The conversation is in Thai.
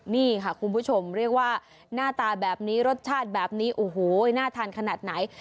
นี่ค่ะคุณผู้ชมเรียกว่าหน้าตาแบบนี้รสชาติแบบนี้โอ้โหน่าทานขนาดไหน